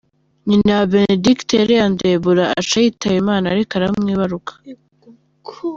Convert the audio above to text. Nyina wa Benedicte yari yanduye Ebola aca yitaba Imana ariko aramwibaruka.